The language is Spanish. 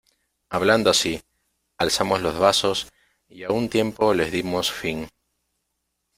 hablando así, alzamos los vasos y a un tiempo les dimos fin.